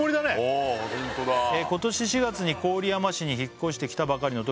ああホントだ「今年４月に郡山市に引っ越してきたばかりのときに」